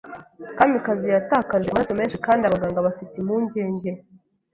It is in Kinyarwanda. Kamikazi yatakaje amaraso menshi kandi abaganga bafite impungenge.